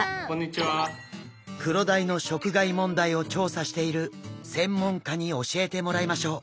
クロダイの食害問題を調査している専門家に教えてもらいましょう。